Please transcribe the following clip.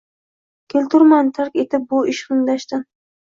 Keturman tark etib bu ishqning dashtin –